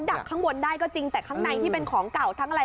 ดักข้างบนได้ก็จริงแต่ข้างในที่เป็นของเก่าทั้งอะไร